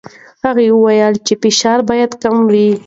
هغه وویل چې فشار باید کم وي.